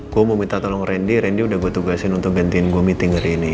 gue mau minta tolong randy randy udah gue tugasin untuk gantiin gue meeting hari ini